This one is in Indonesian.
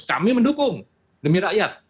kami mendukung demi rakyat